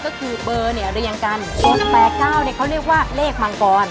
ก็คือเบอร์เนี่ยเรียงกันส่วน๘๙เนี่ยเขาเรียกว่าเลขมังกร